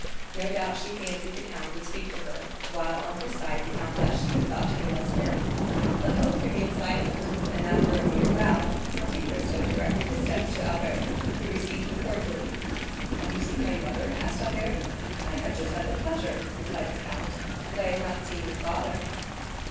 No doubt she fancied the count would speak to her, while on his side the count thought she was about to address him; but both remained silent, and after a mere bow, Monte Cristo directed his steps to Albert, who received him cordially. "Have you seen my mother?" asked Albert. "I have just had the pleasure," replied the count; "but I have not seen your father."